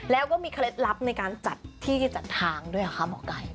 แล้วก็มีเคล็ดลับในการจัดที่จัดทางด้วยเหรอคะหมอไก่